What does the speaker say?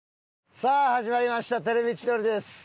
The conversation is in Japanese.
さあ始まりました『テレビ千鳥』です。